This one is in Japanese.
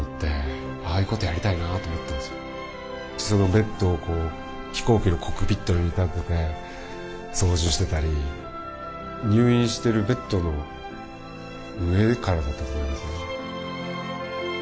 ベッドを飛行機のコックピットに見立てて操縦してたり入院してるベッドの上からだったと思いますね。